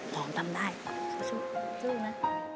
สู้ลุงหอมทำได้สู้นะสู้นะ